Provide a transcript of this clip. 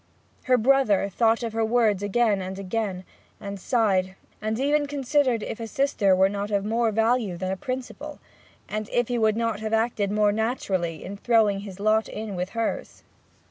Her brother thought of her words again and again, and sighed, and even considered if a sister were not of more value than a principle, and if he would not have acted more naturally in throwing in his lot with hers.